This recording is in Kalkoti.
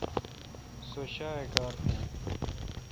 سو شیاے کار تھین۔